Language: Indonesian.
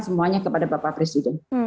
semuanya kepada bapak presiden